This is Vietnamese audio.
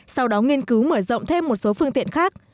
sau đó nghiên cứu mở rộng thêm một số phương tiện khác